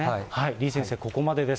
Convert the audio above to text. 李先生、ここまでです。